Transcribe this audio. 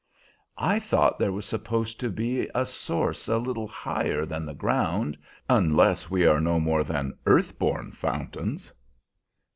"I thought there was supposed to be a source a little higher than the ground unless we are no more than earth born fountains."